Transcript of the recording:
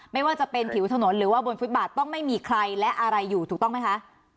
ไม่ว่าจะเป็นผิวถนนหรือว่าบนฟุตบาทต้องไม่มีใครและอะไรอยู่ถูกต้องไหมคะ